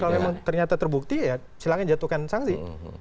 kalau memang ternyata terbukti ya silahkan jatuhkan sanksi